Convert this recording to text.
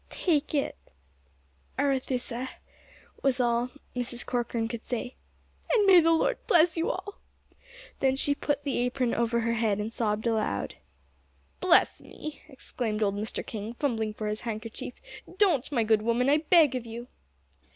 "Take it, Arethusa," was all Mrs. Corcoran could say; "and may the Lord bless you all!" Then she put the apron over her head and sobbed aloud. "Bless me!" exclaimed old Mr. King, fumbling for his handkerchief, "don't, my good woman, I beg of you."